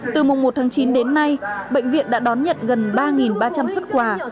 từ mùng một tháng chín đến nay bệnh viện đã đón nhận gần ba ba trăm linh xuất quà